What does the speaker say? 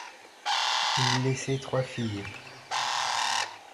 Ils laissaient trois filles.